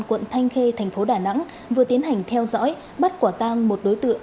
quận thanh khê thành phố đà nẵng vừa tiến hành theo dõi bắt quả tang một đối tượng